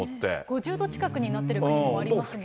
５０度近くになってる国もありますもんね。